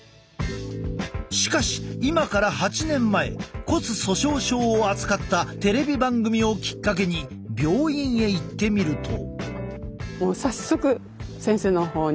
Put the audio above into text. しかし今から８年前骨粗しょう症を扱ったテレビ番組をきっかけに病院へ行ってみると。